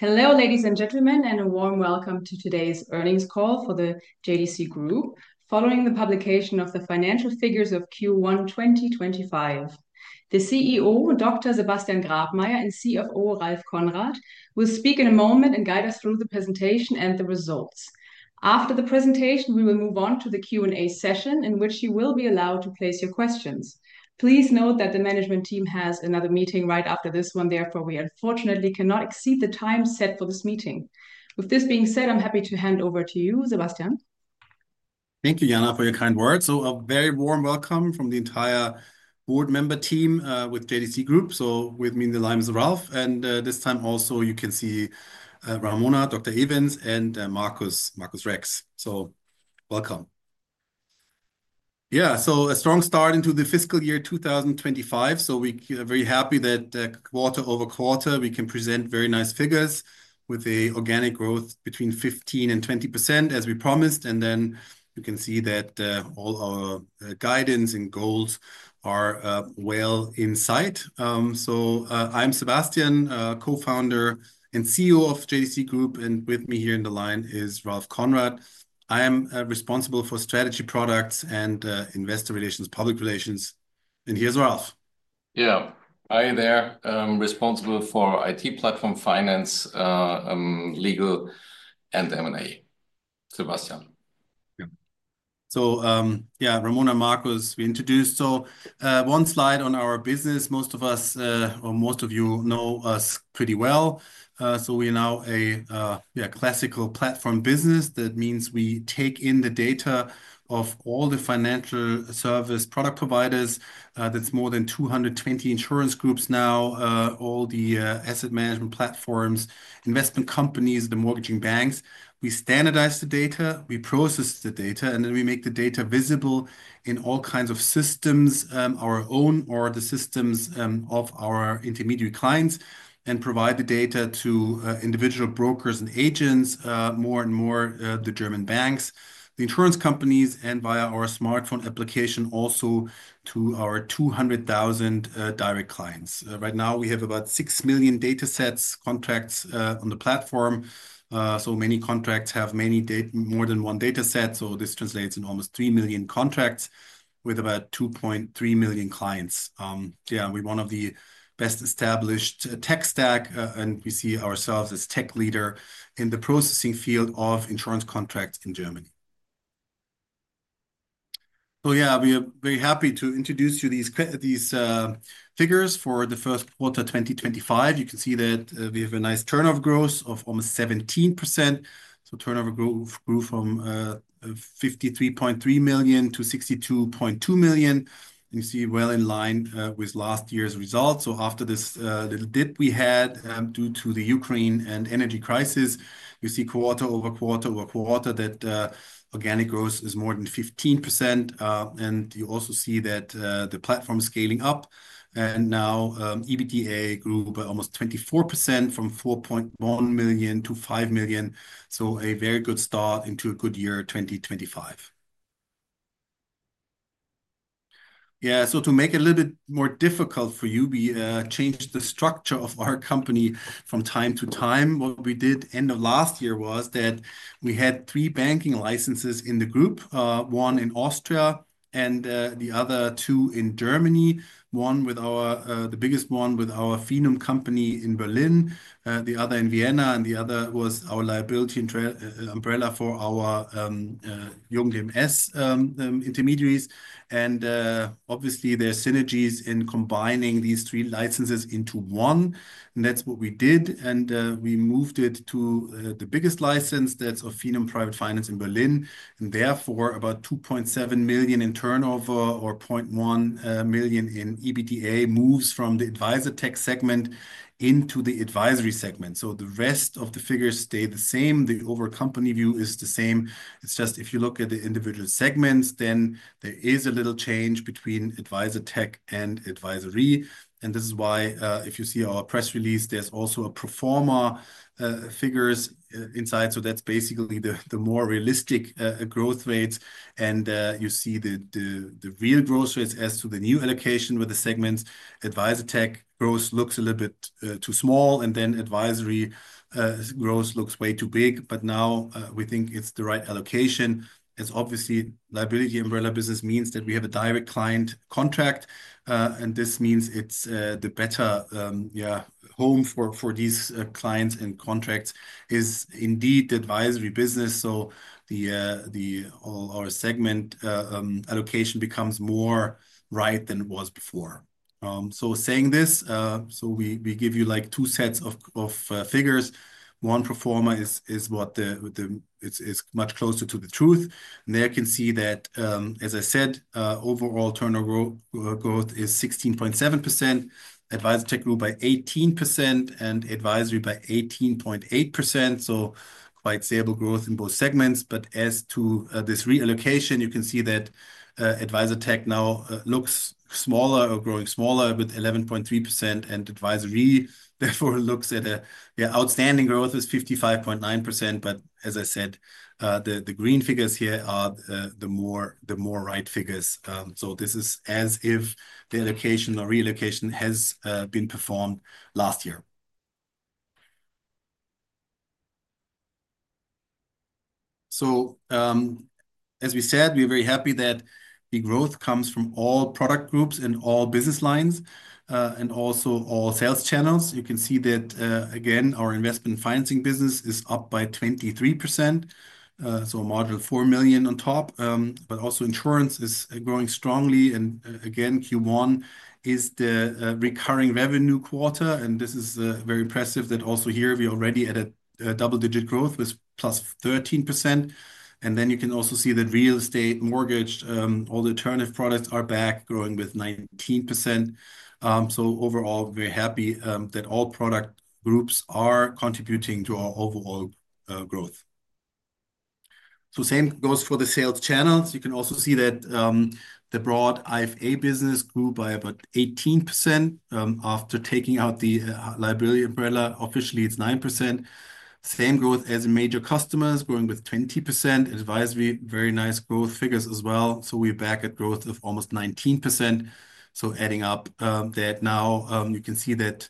Hello, ladies and gentlemen, and a warm welcome to today's earnings call for the JDC Group following the publication of the financial figures of Q1 2025. The CEO, Dr. Sebastian Grabmaier, and CFO, Ralph Konrad, will speak in a moment and guide us through the presentation and the results. After the presentation, we will move on to the Q&A session in which you will be allowed to place your questions. Please note that the management team has another meeting right after this one. Therefore, we unfortunately cannot exceed the time set for this meeting. With this being said, I'm happy to hand over to you, Sebastian. Thank you, Jana, for your kind words. A very warm welcome from the entire board member team with JDC Group. With me in the line is Ralph, and this time also you can see Ramona, Dr. Evens and Marcus Rex. Welcome. A strong start into the fiscal year 2025. We are very happy that quarter over quarter we can present very nice figures with an organic growth between 15% and 20%, as we promised. You can see that all our guidance and goals are well in sight. I'm Sebastian, co-founder and CEO of JDC Group, and with me here in the line is Ralph Konrad. I am responsible for strategy products and investor relations, public relations. Here's Ralph. Yeah. Hi there. I'm responsible for IT platform, finance, legal, and M&A. Sebastian? Yeah. So, yeah, Ramona, Marcus, we introduced. One slide on our business. Most of us, or most of you know us pretty well. We are now a classical platform business. That means we take in the data of all the financial service product providers. That is more than 220 insurance groups now, all the asset management platforms, investment companies, the mortgaging banks. We standardize the data, we process the data, and then we make the data visible in all kinds of systems, our own or the systems of our intermediary clients, and provide the data to individual brokers and agents, more and more the German banks, the insurance companies, and via our smartphone application also to our 200,000 direct clients. Right now, we have about 6 million data sets, contracts on the platform. Many contracts have many data, more than one data set. So this translates in almost 3 million contracts with about 2.3 million clients. Yeah, we're one of the best-established tech stack, and we see ourselves as tech leader in the processing field of insurance contracts in Germany. Yeah, we are very happy to introduce you to these figures for the first quarter 2025. You can see that we have a nice turnover growth of almost 17%. Turnover grew from 53.3 million to 62.2 million. You see, well in line with last year's results. After this little dip we had due to the Ukraine and energy crisis, you see quarter over quarter over quarter that organic growth is more than 15%. You also see that the platform is scaling up. Now EBITDA grew by almost 24% from 4.1 million to 5 million. A very good start into a good year 2025. Yeah. To make it a little bit more difficult for you, we changed the structure of our company from time to time. What we did end of last year was that we had three banking licenses in the group, one in Austria and the other two in Germany, one with our, the biggest one with our FiNUM company in Berlin, the other in Vienna, and the other was our liability umbrella for our intermediaries. Obviously, there are synergies in combining these three licenses into one. That is what we did. We moved it to the biggest license, that is of FiNUM Private Finance in Berlin. Therefore, about 2.7 million in turnover or 0.1 million in EBITDA moves from the Advisortech segment into the Advisory segment. The rest of the figures stay the same. The overall company view is the same. It's just if you look at the individual segments, then there is a little change between Advisortech and Advisory. This is why if you see our press release, there's also a pro forma figures inside. That's basically the more realistic growth rates. You see the real growth rates as to the new allocation with the segments. Advisortech growth looks a little bit too small, and then Advisory growth looks way too big. Now we think it's the right allocation. Obviously, liability umbrella business means that we have a direct client contract. This means the better, yeah, home for these clients and contracts is indeed the Advisory business. All our segment allocation becomes more right than it was before. Saying this, we give you like two sets of figures. One performer is what is much closer to the truth. There you can see that, as I said, overall turnover growth is 16.7%, Advisortech grew by 18%, and Advisory by 18.8%. Quite stable growth in both segments. As to this reallocation, you can see that Advisortech now looks smaller or growing smaller with 11.3%. Advisory therefore looks at an outstanding growth of 55.9%. As I said, the green figures here are the more right figures. This is as if the allocation or reallocation had been performed last year. As we said, we are very happy that the growth comes from all product groups and all business lines and also all sales channels. You can see that again, our investment financing business is up by 23%. A marginal 4 million on top. Insurance is also growing strongly. Q1 is the recurring revenue quarter. This is very impressive that also here we already had double-digit growth with +13%. You can also see that real estate, mortgage, all the alternative products are back growing with 19%. Overall, we're happy that all product groups are contributing to our overall growth. The same goes for the sales channels. You can also see that the broad IFA business grew by about 18% after taking out the liability umbrella. Officially, it's 9%. Same growth as major customers growing with 20%. Advisory, very nice growth figures as well. We're back at growth of almost 19%. Adding up that now, you can see that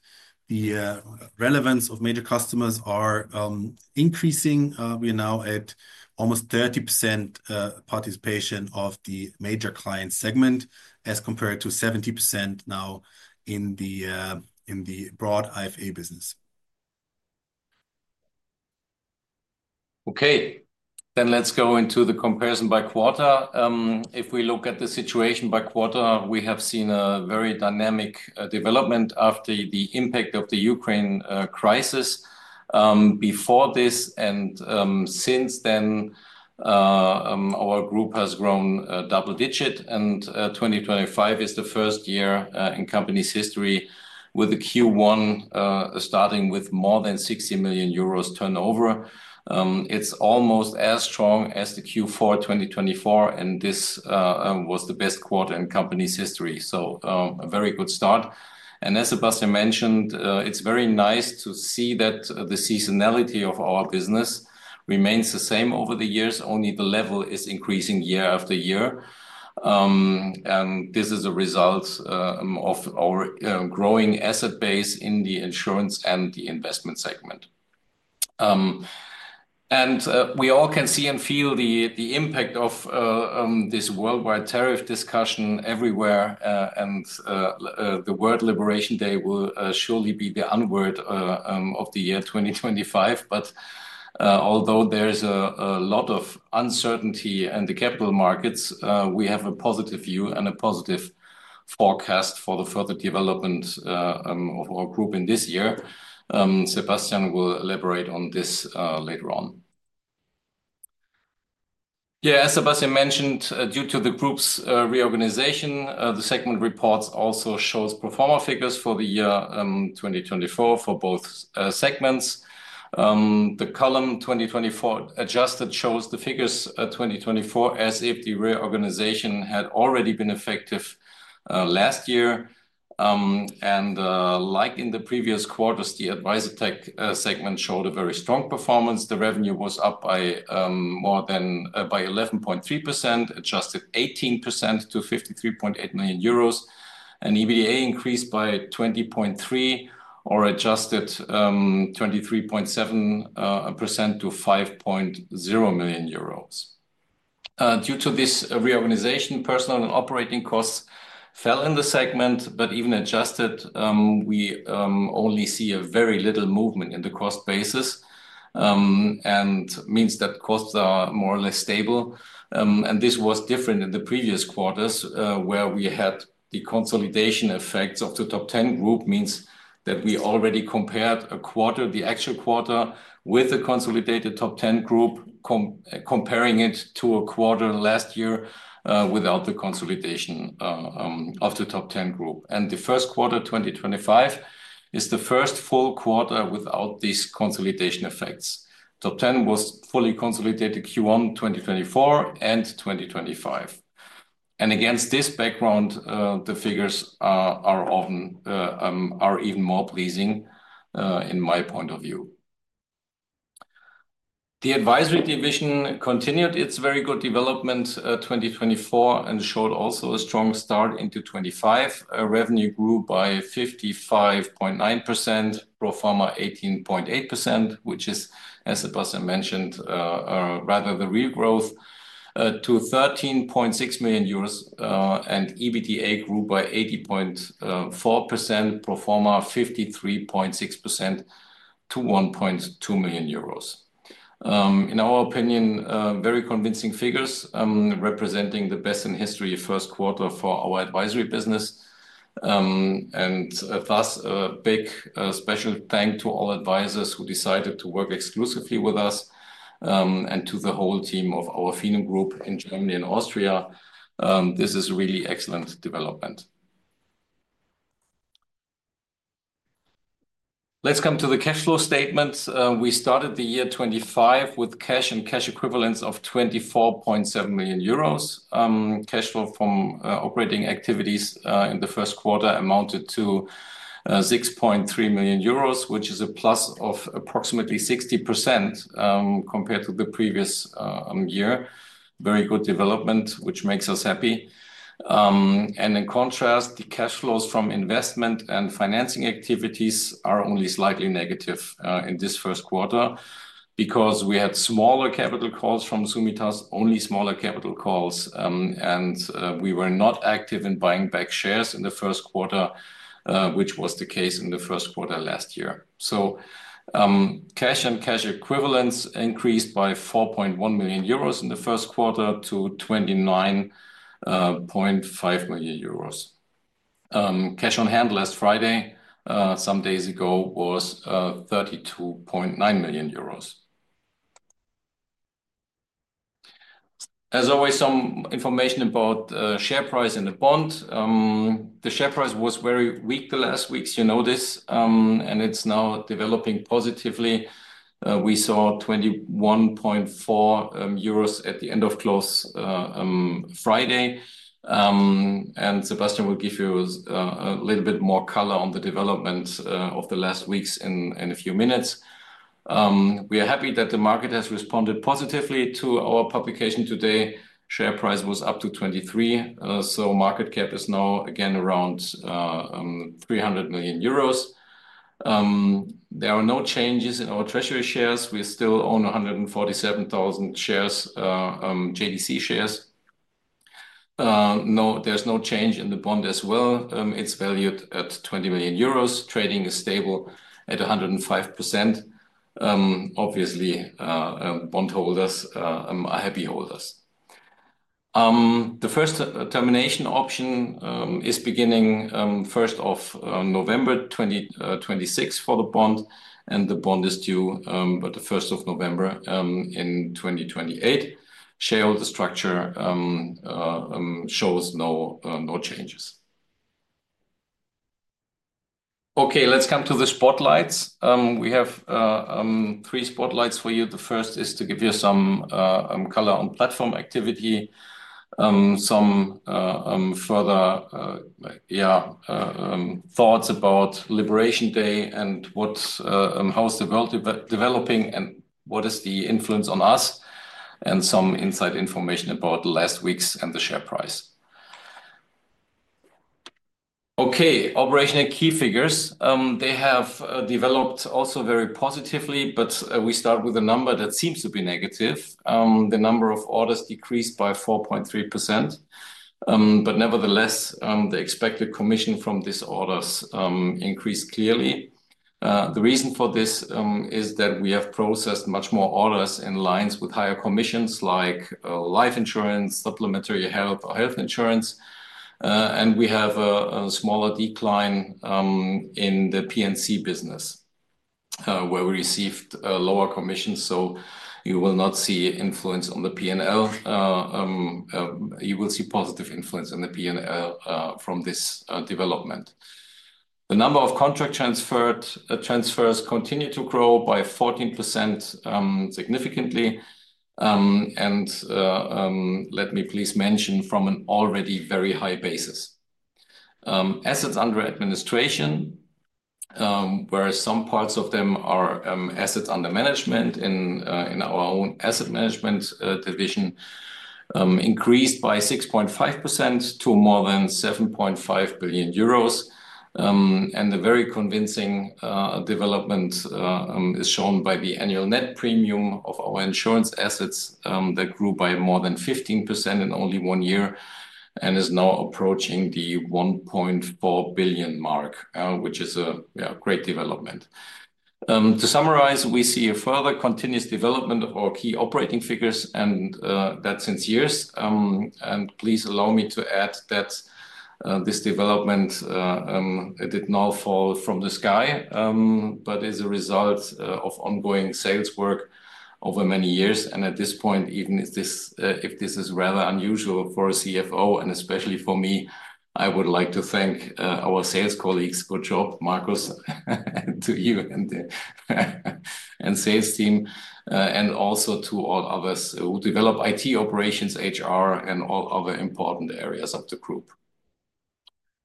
the relevance of major customers is increasing. We are now at almost 30% participation of the major client segment as compared to 70% now in the broad IFA business. Okay, then let's go into the comparison by quarter. If we look at the situation by quarter, we have seen a very dynamic development after the impact of the Ukraine crisis. Before this and since then, our group has grown double-digit. And 2025 is the first year in company's history with the Q1 starting with more than 60 million euros turnover. It's almost as strong as the Q4 2024. And this was the best quarter in company's history. So, a very good start. And as Sebastian mentioned, it's very nice to see that the seasonality of our business remains the same over the years. Only the level is increasing year after year. And this is a result of our growing asset base in the insurance and the investment segment. And we all can see and feel the impact of this worldwide tariff discussion everywhere. The word Liberation Day will surely be the onward of the year 2025. Although there is a lot of uncertainty in the capital markets, we have a positive view and a positive forecast for the further development of our group in this year. Sebastian will elaborate on this later on. As Sebastian mentioned, due to the group's reorganization, the segment reports also show pro forma figures for the year 2024 for both segments. The column 2024 adjusted shows the figures 2024 as if the reorganization had already been effective last year. Like in the previous quarters, the Advisortech segment showed a very strong performance. The revenue was up by more than 11.3%, adjusted 18% to 53.8 million euros. EBITDA increased by 20.3% or adjusted 23.7% to 5.0 million euros. Due to this reorganization, personal and operating costs fell in the segment, but even adjusted, we only see very little movement in the cost basis. It means that costs are more or less stable. This was different in the previous quarters where we had the consolidation effects of Top Ten Group, which means that we already compared the actual quarter with the Top Ten Group, comparing it to a quarter last year without the consolidation of Top Ten Group. The first quarter 2025 is the first full quarter without these consolidation effects. Top Ten was fully consolidated Q1 2024 and 2025. Against this background, the figures are even more pleasing in my point of view. The Advisory division continued its very good development in 2024 and showed also a strong start into 2025. Revenue grew by 55.9%, pro forma 18.8%, which is, as Sebastian mentioned, rather the real growth to 13.6 million euros. And EBITDA grew by 80.4%, pro forma 53.6% to 1.2 million euros. In our opinion, very convincing figures representing the best in history first quarter for our advisory business. Thus, a big special thanks to all advisors who decided to work exclusively with us and to the whole team of our FiNUM group in Germany and Austria. This is a really excellent development. Let's come to the cash flow statement. We started the year 2025 with cash and cash equivalents of 24.7 million euros. Cash flow from operating activities in the first quarter amounted to 6.3 million euros, which is a plus of approximately 60% compared to the previous year. Very good development, which makes us happy. In contrast, the cash flows from investment and financing activities are only slightly negative in this first quarter because we had smaller capital calls from Summitas, only smaller capital calls. We were not active in buying back shares in the first quarter, which was the case in the first quarter last year. Cash and cash equivalents increased by 4.1 million euros in the first quarter to 29.5 million euros. Cash on hand last Friday some days ago was 32.9 million euros. As always, some information about share price and the bond. The share price was very weak the last weeks, you know this, and it is now developing positively. We saw 21.4 euros at the end of close Friday. Sebastian will give you a little bit more color on the development of the last weeks in a few minutes. We are happy that the market has responded positively to our publication today. Share price was up to 23. So, market cap is now again around 300 million euros. There are no changes in our treasury shares. We still own 147,000 shares, JDC shares. No, there's no change in the bond as well. It's valued at 20 million euros. Trading is stable at 105%. Obviously, bond holders are happy holders. The first termination option is beginning 1st of November 2026 for the bond. And the bond is due by the 1st of November in 2028. Shareholder structure shows no changes. Okay, let's come to the spotlights. We have three spotlights for you. The first is to give you some color on platform activity, some further, yeah, thoughts about Liberation Day and how's the world developing and what is the influence on us and some inside information about the last weeks and the share price. Okay, operational key figures. They have developed also very positively, but we start with a number that seems to be negative. The number of orders decreased by 4.3%. Nevertheless, the expected commission from these orders increased clearly. The reason for this is that we have processed much more orders in lines with higher commissions like life insurance, supplementary health, or health insurance. We have a smaller decline in the P&C business where we received lower commissions. You will not see influence on the P&L. You will see positive influence on the P&L from this development. The number of contract transfers continued to grow by 14%, significantly. Let me please mention from an already very high basis. Assets under administration, where some parts of them are assets under management in our own asset management division, increased by 6.5% to more than 7.5 billion euros. The very convincing development is shown by the annual net premium of our insurance assets that grew by more than 15% in only one year and is now approaching the 1.4 billion mark, which is a great development. To summarize, we see a further continuous development of our key operating figures and that since years. Please allow me to add that this development, it did not fall from the sky, but is a result of ongoing sales work over many years. At this point, even if this is rather unusual for a CFO and especially for me, I would like to thank our sales colleagues. Good job, Marcus, to you and the sales team and also to all others who develop IT operations, HR, and all other important areas of the group.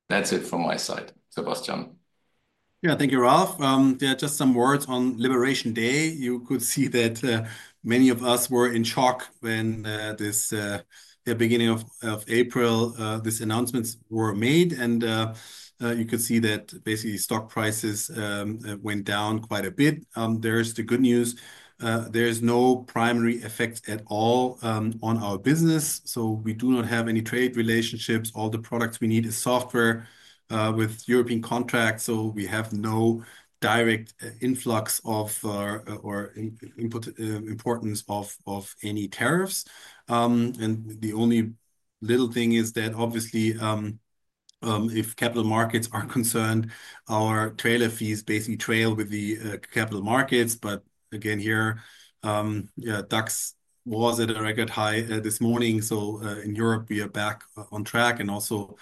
That's it from my side. Sebastian? Yeah. Thank you, Ralph. There are just some words on Liberation Day. You could see that many of us were in shock when this, the beginning of April, these announcements were made. You could see that basically stock prices went down quite a bit. There's the good news. There is no primary effect at all on our business. We do not have any trade relationships. All the products we need is software with European contracts. We have no direct influx of or importance of any tariffs. The only little thing is that obviously if capital markets are concerned, our trailer fees basically trail with the capital markets. Again, here, DAX was at a record high this morning. In Europe, we are back on track. Also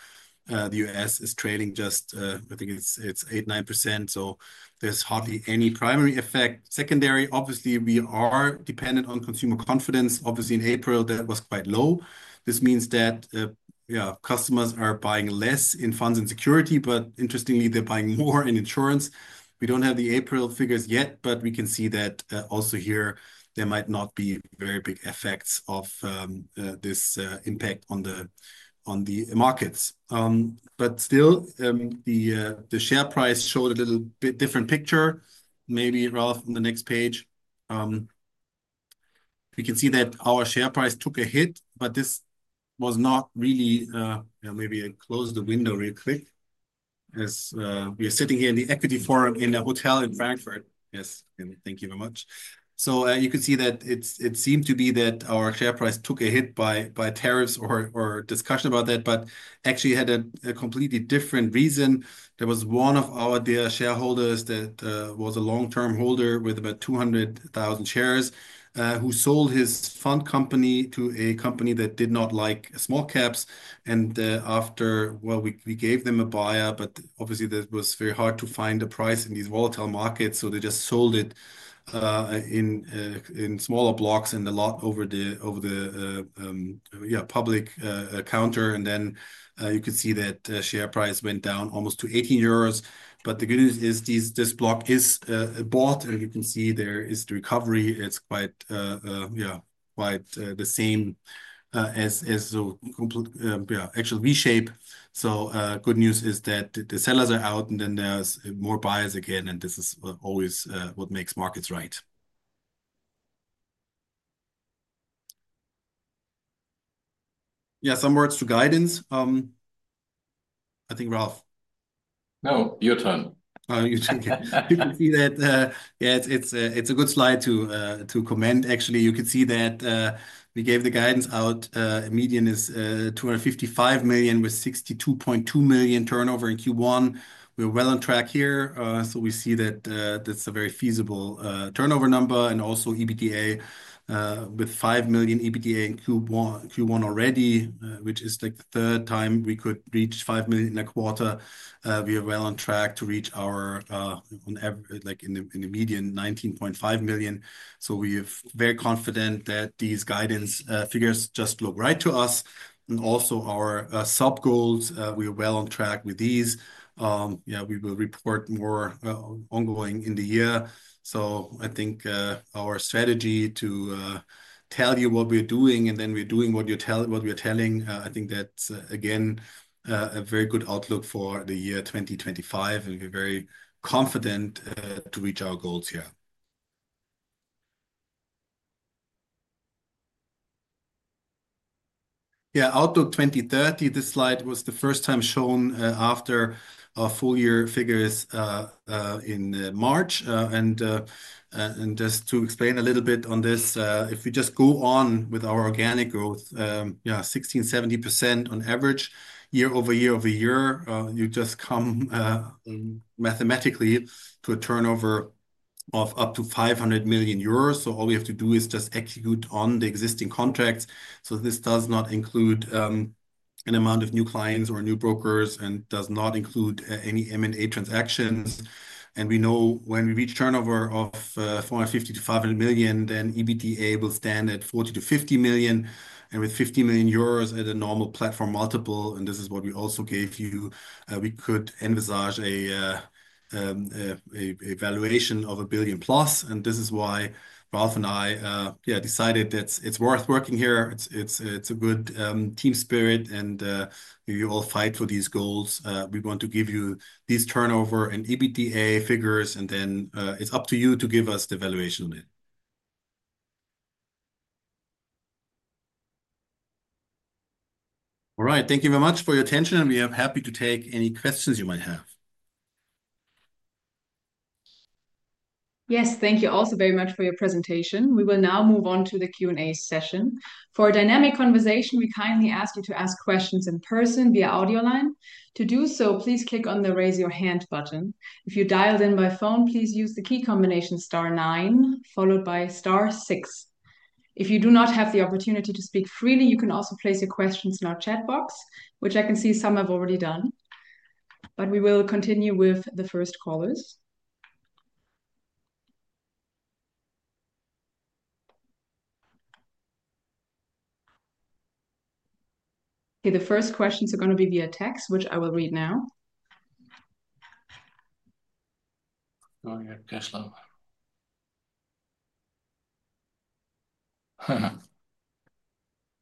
the U.S. is trailing just, I think it's 8%, 9%. There's hardly any primary effect. Secondary, obviously we are dependent on consumer confidence. Obviously, in April, that was quite low. This means that, yeah, customers are buying less in funds and security, but interestingly, they're buying more in insurance. We don't have the April figures yet, but we can see that also here there might not be very big effects of this impact on the markets. Still, the share price showed a little bit different picture. Maybe Ralph on the next page. We can see that our share price took a hit, but this was not really, maybe let me close the window real quick as we are sitting here in the Equity Forum in a hotel in Frankfurt. Yes, thank you very much. You can see that it seemed to be that our share price took a hit by tariffs or discussion about that, but actually had a completely different reason. There was one of our shareholders that was a long-term holder with about 200,000 shares who sold his fund company to a company that did not like small caps. After, we gave them a buyer, but obviously that was very hard to find a price in these volatile markets. They just sold it in smaller blocks and a lot over the public counter. You could see that share price went down almost to 18 euros. The good news is this block is bought. You can see there is the recovery. It is quite, yeah, quite the same as the actual V-shape. Good news is that the sellers are out and then there are more buyers again. This is always what makes markets right. Yeah, some words to guidance. I think, Ralph. No, your turn. You can see that, yeah, it's a good slide to comment. Actually, you can see that we gave the guidance out. Median is 255 million with 62.2 million turnover in Q1. We're well on track here. We see that that's a very feasible turnover number. And also EBITDA with 5 million EBITDA in Q1 already, which is like the third time we could reach 5 million in a quarter. We are well on track to reach our, like in the median, 19.5 million. We are very confident that these guidance figures just look right to us. And also our sub goals, we are well on track with these. Yeah, we will report more ongoing in the year. I think our strategy to tell you what we're doing and then we're doing what we're telling, I think that's again a very good outlook for the year 2025. We're very confident to reach our goals here. Outlook 2030, this slide was the first time shown after our full-year figures in March. Just to explain a little bit on this, if we just go on with our organic growth, 16%-17% on average year-over-year, you just come mathematically to a turnover of up to 500 million euros. All we have to do is just execute on the existing contracts. This does not include an amount of new clients or new brokers and does not include any M&A transactions. We know when we reach turnover of 450 million-500 million, then EBITDA will stand at 40 million-50 million, with 50 million euros at a normal platform multiple, and this is what we also gave you, we could envisage a valuation of a billion plus. This is why Ralph and I, yeah, decided that it's worth working here. It's a good team spirit and you all fight for these goals. We want to give you these turnover and EBITDA figures and then it's up to you to give us the valuation on it. All right, thank you very much for your attention and we are happy to take any questions you might have. Yes, thank you also very much for your presentation. We will now move on to the Q&A session. For a dynamic conversation, we kindly ask you to ask questions in person via audio line. To do so, please click on the raise your hand button. If you dialed in by phone, please use the key combination star nine followed by star six. If you do not have the opportunity to speak freely, you can also place your questions in our chat box, which I can see some have already done. We will continue with the first callers. Okay, the first questions are going to be via text, which I will read now. Oh, yeah. Cash level,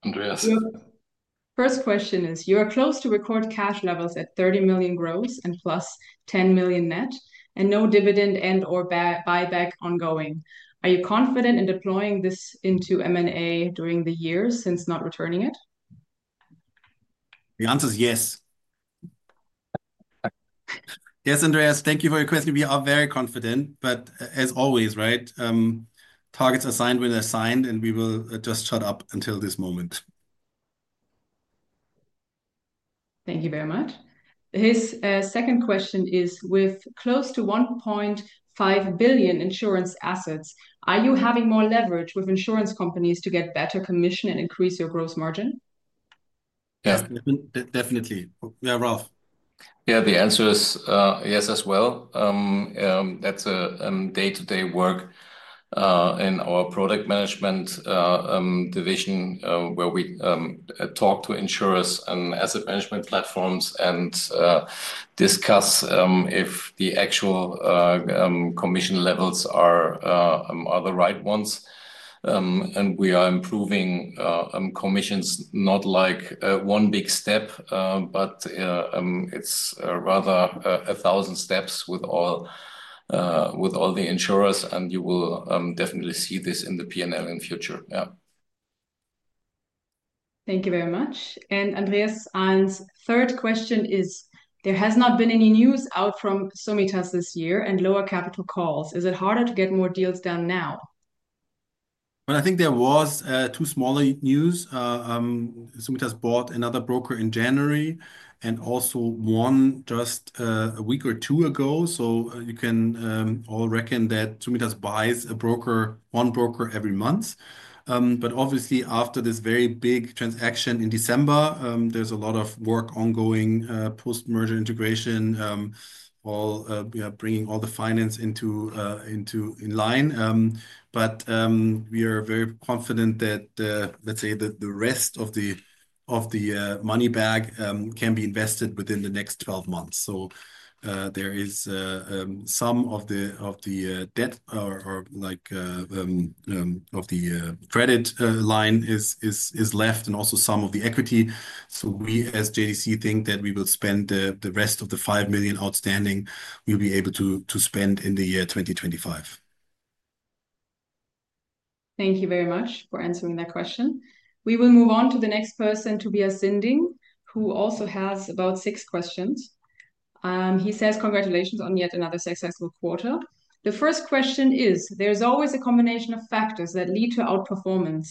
Andreas. First question is, you are close to record cash levels at 30 million gross and plus 10 million net and no dividend and or buyback ongoing. Are you confident in deploying this into M&A during the year since not returning it? The answer is yes. Yes, Andreas, thank you for your question. We are very confident, but as always, right? Targets assigned when assigned, and we will just shut up until this moment. Thank you very much. His second question is, with close to 1.5 billion insurance assets, are you having more leverage with insurance companies to get better commission and increase your gross margin? Yes, definitely. Yeah, Ralph. Yeah. The answer is yes as well. That is a day-to-day work in our product management division where we talk to insurers and asset management platforms and discuss if the actual commission levels are the right ones. We are improving commissions not like one big step, but it is rather a thousand steps with all the insurers. You will definitely see this in the P&L in the future. Yeah. Thank you very much. Andreas's third question is, there has not been any news out from Summitas this year and lower capital calls. Is it harder to get more deals done now? I think there was two smaller news. Summitas bought another broker in January and also one just a week or two ago. You can all reckon that Summitas buys one broker every month. Obviously after this very big transaction in December, there is a lot of work ongoing post-merger integration, bringing all the finance in line. We are very confident that, let's say, the rest of the money back can be invested within the next 12 months. There is some of the debt or of the credit line left and also some of the equity. We as JDC think that we will spend the rest of the 5 million outstanding, we'll be able to spend in the year 2025. Thank you very much for answering that question. We will move on to the next person, Tobias Sinding, who also has about six questions. He says, congratulations on yet another successful quarter. The first question is, there's always a combination of factors that lead to outperformance,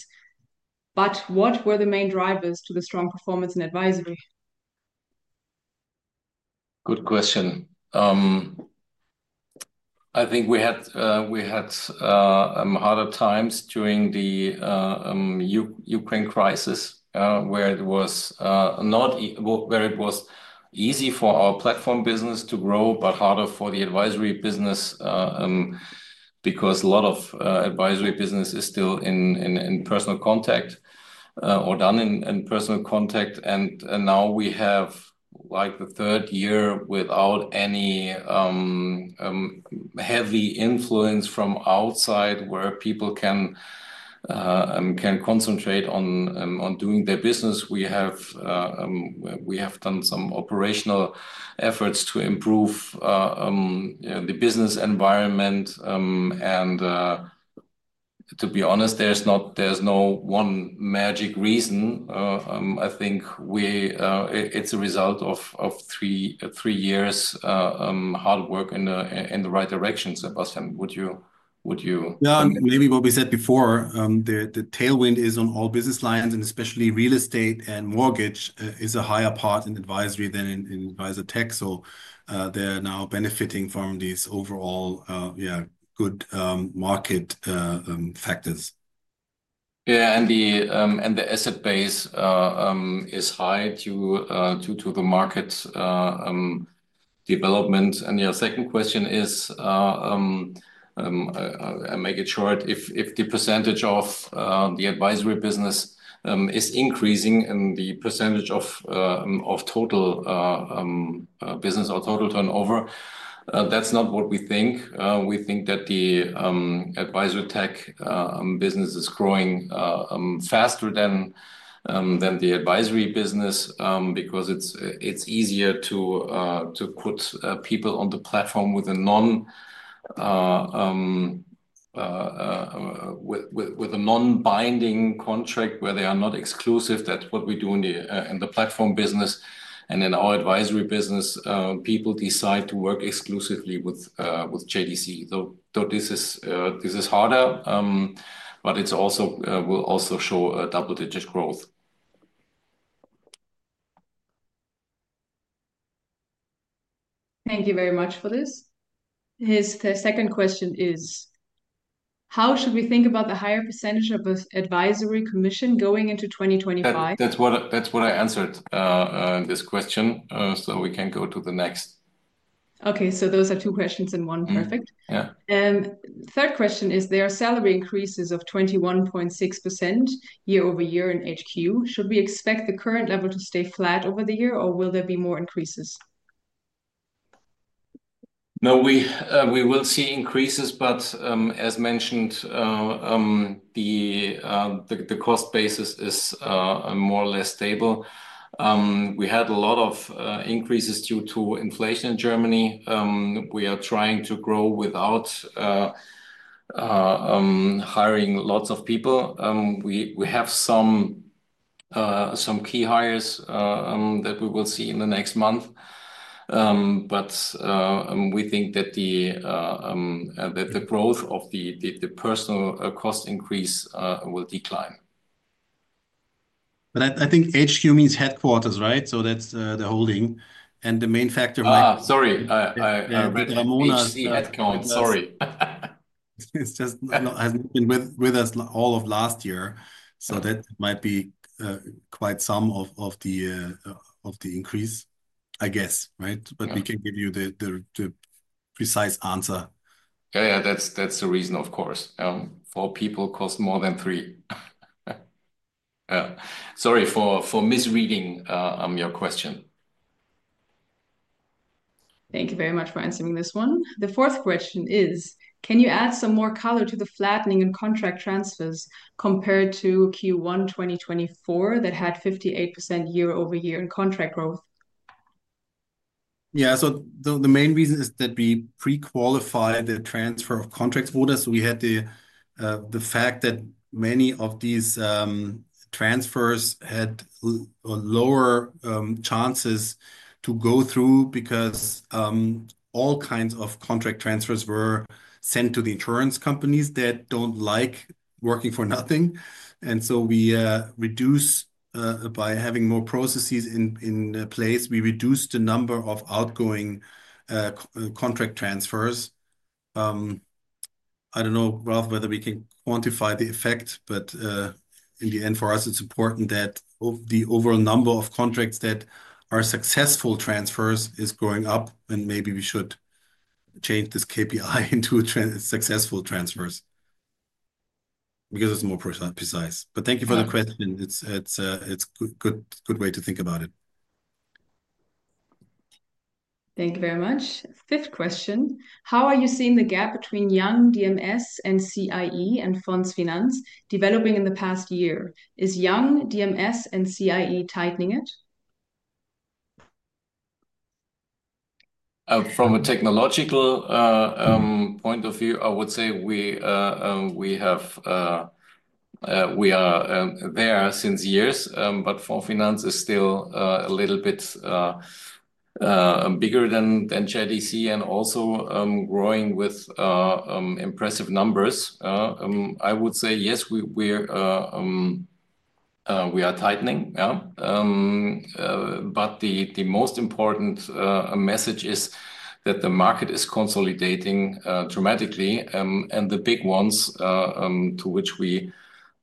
but what were the main drivers to the strong performance in Advisory? Good question. I think we had harder times during the Ukraine crisis where it was not, where it was easy for our platform business to grow, but harder for the Advisory business because a lot of Advisory business is still in personal contact or done in personal contact. Now we have like the third year without any heavy influence from outside where people can concentrate on doing their business. We have done some operational efforts to improve the business environment. To be honest, there is no one magic reason. I think it is a result of three years' hard work in the right direction. Sebastian, would you? Yeah. Maybe what we said before, the tailwind is on all business lines and especially real estate and mortgage is a higher part in Advisory than in Advisortech. So, they're now benefiting from these overall, yeah, good market factors. Yeah, and the asset base is high due to the market development. Your second question is, I'll make it short. If the percentage of the Advisory business is increasing and the percentage of total business or total turnover, that's not what we think. We think that the Advisortech business is growing faster than the Advisory business because it's easier to put people on the platform with a non-binding contract where they are not exclusive. That's what we do in the platform business. In our Advisory business, people decide to work exclusively with JDC. Though this is harder, it will also show a double-digit growth. Thank you very much for this. His second question is, how should we think about the higher percentage of Advisory commission going into 2025? That's what I answered, this question. We can go to the next. Okay, so those are two questions in one. Perfect. Third question is, there are salary increases of 21.6% year-over-year in HQ. Should we expect the current level to stay flat over the year or will there be more increases? No. We will see increases, but as mentioned, the cost basis is more or less stable. We had a lot of increases due to inflation in Germany. We are trying to grow without hiring lots of people. We have some key hires that we will see in the next month. We think that the growth of the personal cost increase will decline. I think HQ means headquarters, right? So, that's the holding. And the main factor. Sorry. I lost the headcount. Sorry. It just and with us all of last year, that might be quite some of the increase, I guess, right? We can give you the precise answer. Yeah. Yeah, that's the reason, of course. Four people cost more than three. Sorry for misreading your question. Thank you very much for answering this one. The fourth question is, can you add some more color to the flattening in contract transfers compared to Q1 2024 that had 58% year-over-year in contract growth? Yeah. So the main reason is that we pre-qualified the transfer of contract voters. We had the fact that many of these transfers had lower chances to go through because all kinds of contract transfers were sent to the insurance companies that do not like working for nothing. We reduce by having more processes in place. We reduce the number of outgoing contract transfers. I do not know, Ralph, whether we can quantify the effect, but in the end, for us, it is important that the overall number of contracts that are successful transfers is growing up and maybe we should change this KPI into successful transfers because it is more precise. Thank you for the question. It is a good way to think about it. Thank you very much. Fifth question, how are you seeing the gap between Jung, DMS & Cie and Fonds Finanz developing in the past year? Is Jung, DMS & Cie tightening it? From a technological point of view, I would say we are there since years, but Fonds Finanz is still a little bit bigger than JDC and also growing with impressive numbers. I would say, yes, we are tightening. The most important message is that the market is consolidating dramatically and the big ones to which we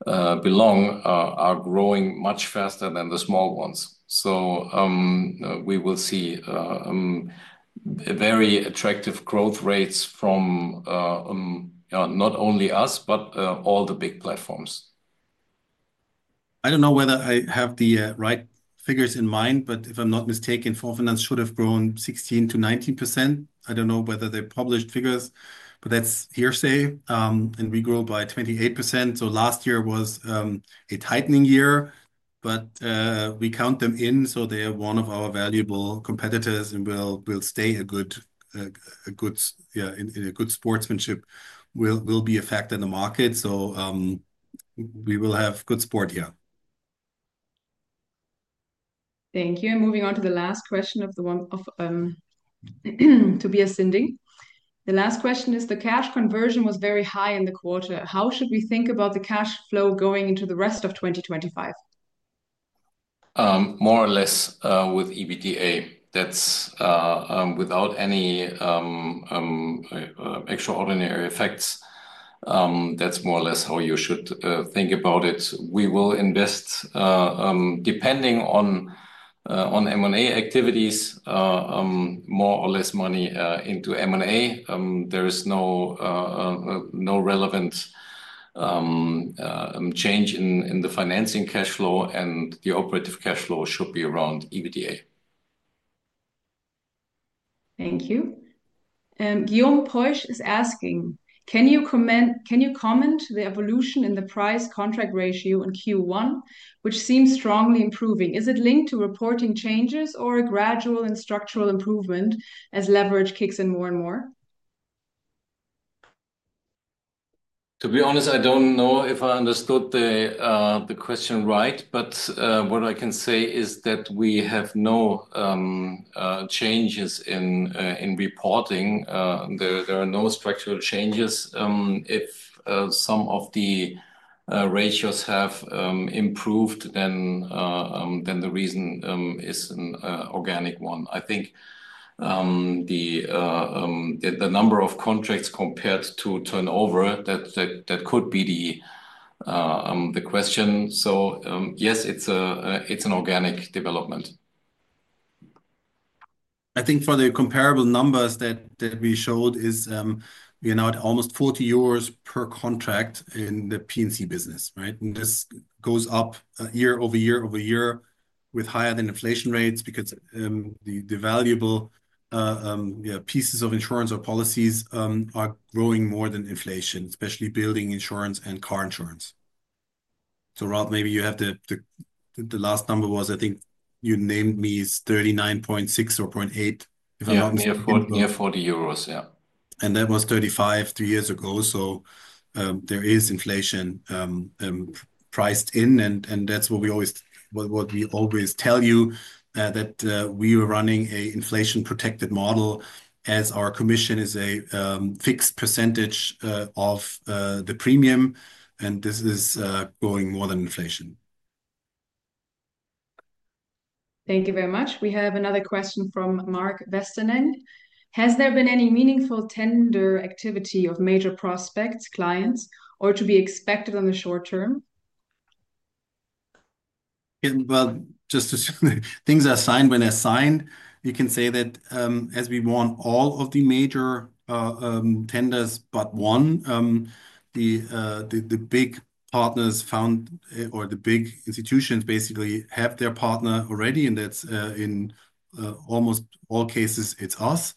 belong are growing much faster than the small ones. We will see very attractive growth rates from not only us, but all the big platforms. I don't know whether I have the right figures in mind, but if I'm not mistaken, Fonds Finanz should have grown 16%-19%. I don't know whether they published figures, but that's hearsay. And we grew by 28%. Last year was a tightening year, but we count them in. They are one of our valuable competitors and will stay in a good sportsmanship. We'll be a factor in the market. We will have good sport here. Thank you. Moving on to the last question of Tobias Sinding. The last question is, the cash conversion was very high in the quarter. How should we think about the cash flow going into the rest of 2025? More or less with EBITDA. That is without any extraordinary effects. That is more or less how you should think about it. We will invest, depending on M&A activities, more or less money into M&A. There is no relevant change in the financing cash flow and the operative cash flow should be around EBITDA. Thank you. Guillaume de Poche is asking, can you comment the evolution in the price contract ratio in Q1, which seems strongly improving? Is it linked to reporting changes or a gradual and structural improvement as leverage kicks in more and more? To be honest, I don't know if I understood the question right, but what I can say is that we have no changes in reporting. There are no structural changes. If some of the ratios have improved, then the reason is an organic one. I think the number of contracts compared to turnover, that could be the question. Yes, it's an organic development. I think for the comparable numbers that we showed, we are now at almost 40 euros per contract in the P&C business, right? This goes up year over year over year with higher than inflation rates because the valuable pieces of insurance or policies are growing more than inflation, especially building insurance and car insurance. Ralph, maybe you have the last number was, I think you named me is 39.6 or 39.8, if I'm not mistaken. Yeah, near 40 euros. Yeah. That was 35 two years ago. There is inflation priced in and that's what we always tell you, that we are running an inflation-protected model as our commission is a fixed percentage of the premium and this is growing more than inflation. Thank you very much. We have another question from Mark Vestering. Has there been any meaningful tender activity of major prospects, clients, or to be expected in the short term? Things are assigned when assigned. You can say that as we won all of the major tenders, but one, the big partners found or the big institutions basically have their partner already and that's in almost all cases, it's us.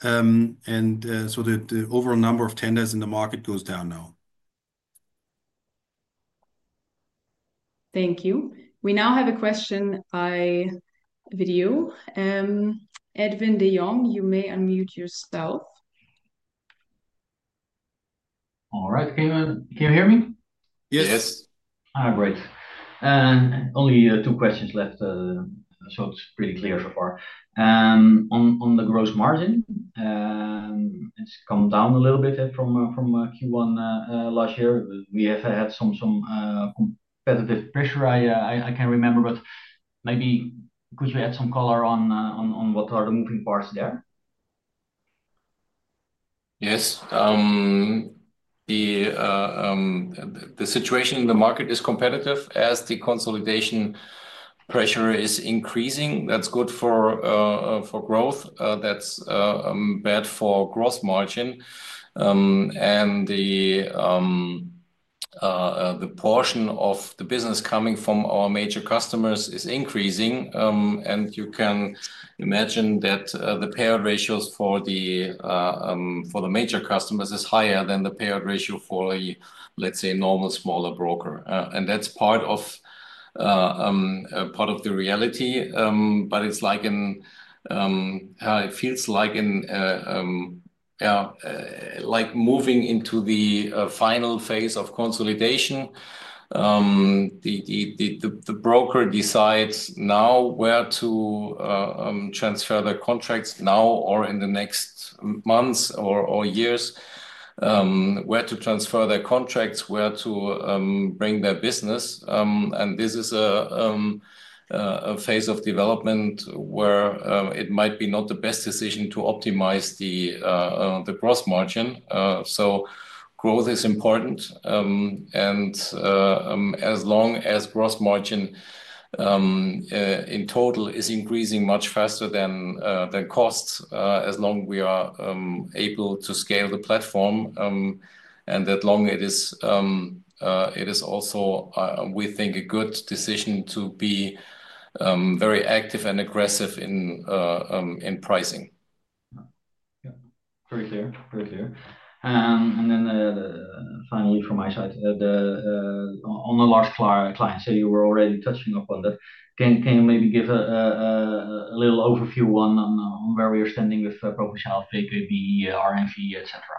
The overall number of tenders in the market goes down now. Thank you. We now have a question via video. Edwin De Jong, you may unmute yourself. All right. Can you hear me? Yes. All right. Great. Only two questions left. So, it's pretty clear so far. On the gross margin, it's come down a little bit from Q1 last year. We have had some competitive pressure, I can remember, but maybe could you add some color on what are the moving parts there? Yes. The situation in the market is competitive as the consolidation pressure is increasing. That is good for growth. That is bad for gross margin. The portion of the business coming from our major customers is increasing. You can imagine that the payout ratios for the major customers is higher than the payout ratio for a, let's say, normal smaller broker. That is part of the reality. It feels like moving into the final phase of consolidation. The broker decides now where to transfer the contracts now or in the next months or years, where to transfer their contracts, where to bring their business. This is a phase of development where it might be not the best decision to optimize the gross margin. Growth is important. As long as gross margin in total is increasing much faster than costs, as long as we are able to scale the platform, and that long it is also, we think, a good decision to be very active and aggressive in pricing. Yeah. Very clear. Very clear. And then finally from my side, on the large clients, you were already touching upon that. Can you maybe give a little overview on where we are standing with Provinzial, VKB, RNV, et cetera?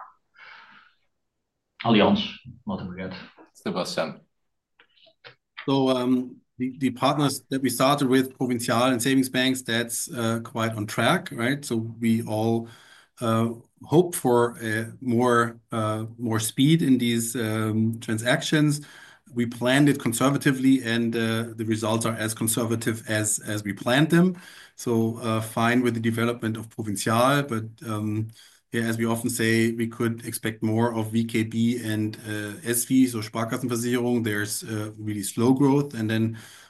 Allianz, what have we got? Sebastian? The partners that we started with Provinzial and savings banks, that's quite on track, right? We all hope for more speed in these transactions. We planned it conservatively and the results are as conservative as we planned them. Fine with the development of Provinzial, but as we often say, we could expect more of VKB and SV SparkassenVersicherung. There's really slow growth.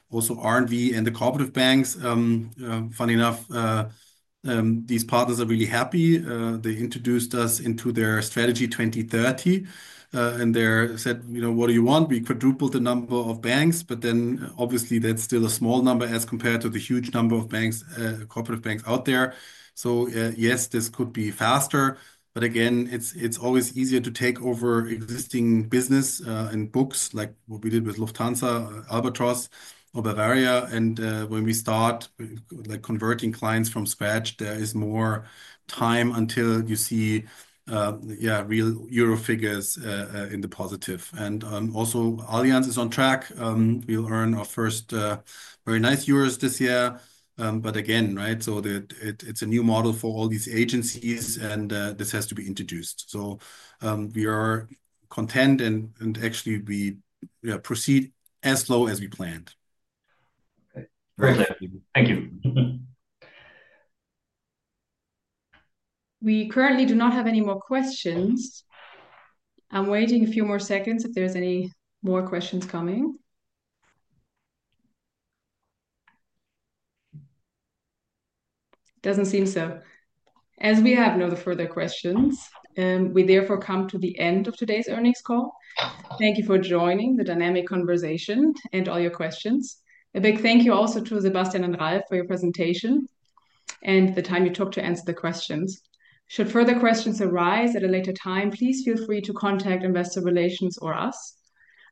Also RNV and the corporate banks, funny enough, these partners are really happy. They introduced us into their strategy 2030 and said, "What do you want?" We quadrupled the number of banks, but obviously that's still a small number as compared to the huge number of corporate banks out there. Yes, this could be faster, but again, it's always easier to take over existing business and books like what we did with Lufthansa, Albatross, or Bavaria. When we start converting clients from scratch, there is more time until you see, yeah, real EUR figures in the positive. Also, Allianz is on track. We'll earn our first very nice euros this year. Again, right, it's a new model for all these agencies and this has to be introduced. We are content and actually we proceed as slow as we planned. Okay. Very clear. Thank you. We currently do not have any more questions. I'm waiting a few more seconds if there's any more questions coming. Doesn't seem so. As we have no further questions, we therefore come to the end of today's earnings call. Thank you for joining the dynamic conversation and all your questions. A big thank you also to Sebastian and Ralph for your presentation and the time you took to answer the questions. Should further questions arise at a later time, please feel free to contact Investor Relations or us.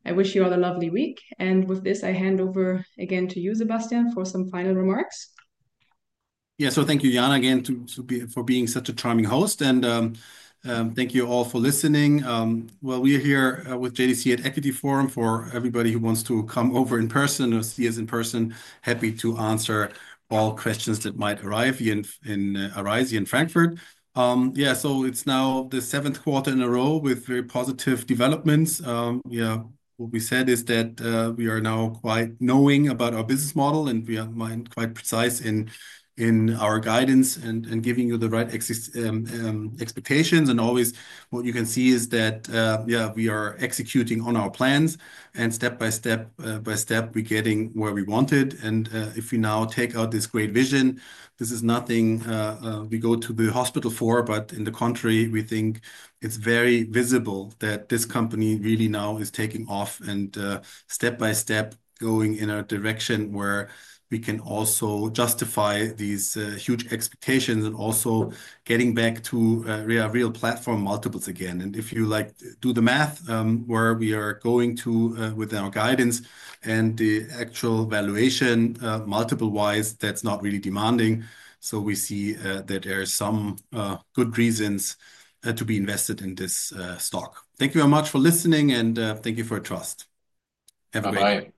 I wish you all a lovely week. With this, I hand over again to you, Sebastian, for some final remarks. Yeah. Thank you, Jana, again for being such a charming host. Thank you all for listening. We are here with JDC at Equity Forum for everybody who wants to come over in person or see us in person. Happy to answer all questions that might arise in Frankfurt. Yeah. It is now the seventh quarter in a row with very positive developments. What we said is that we are now quite knowing about our business model and we are quite precise in our guidance and giving you the right expectations. Always what you can see is that, yeah, we are executing on our plans and step by step by step we're getting where we wanted. If we now take out this great vision, this is nothing we go to the hospital for, but on the contrary, we think it is very visible that this company really now is taking off and step by step going in a direction where we can also justify these huge expectations and also getting back to real platform multiples again. If you do the math where we are going to with our guidance and the actual valuation multiple-wise, that is not really demanding. We see that there are some good reasons to be invested in this stock. Thank you very much for listening and thank you for your trust. Bye-bye.